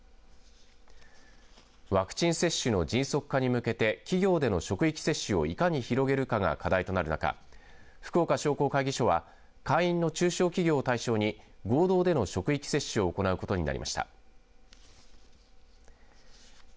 ワクチン接種の迅速化に向けて企業での職域接種をいかに広げるかが課題となる中福岡商工会議所は会員の中小企業を対象に合同での職域接種を行うことになりました。